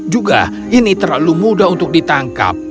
juga ini terlalu mudah untuk ditangkap